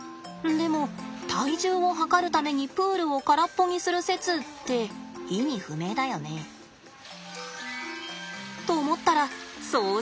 でも体重を量るためにプールを空っぽにする説って意味不明だよね。と思ったら掃除でした。